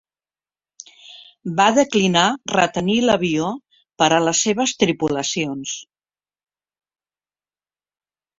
Va declinar retenir l'avió per a les seves tripulacions.